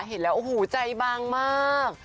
เห็นแล้วโอ้โหใจบางมาก